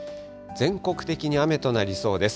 全国的に雨となりそうです。